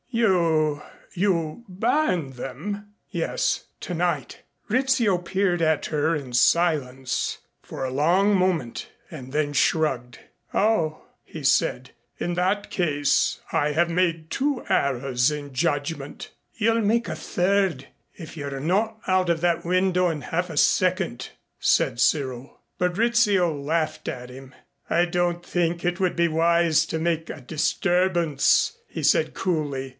"You you burned them?" "Yes tonight." Rizzio peered at her in silence for a long moment and then shrugged. "Oh," he said, "in that case, I have made two errors in judgment " "You'll make a third, if you're not out of that window in half a second," said Cyril. But Rizzio laughed at him. "I don't think it would be wise to make a disturbance " he said coolly.